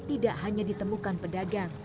tidak hanya ditemukan pedagang